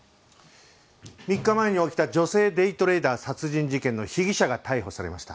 ３日前に起きた女性デイトレーダー殺人事件の被疑者が逮捕されました。